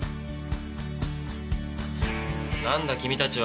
何だ君たちは？